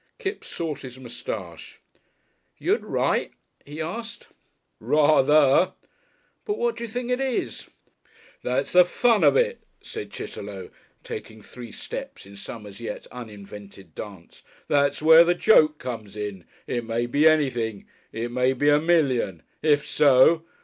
Kipps sought his moustache. "You'd write?" he asked. "Ra ther." "But what d'you think it is?" "That's the fun of it!" said Chitterlow, taking three steps in some as yet uninvented dance. "That's where the joke comes in. It may be anything it may be a million. If so!